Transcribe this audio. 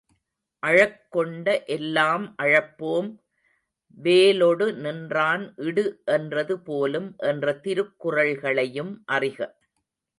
அழக்கொண்ட எல்லாம் அழப்போம்! வேலொடு நின்றான் இடு என்றது போலும் என்ற திருக்குறள்களையும் அறிக.